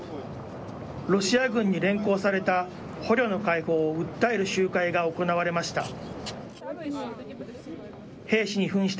ロシア軍に連行された捕虜の解放を訴える集会が行われました。